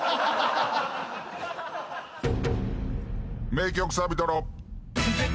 名曲サビトロ。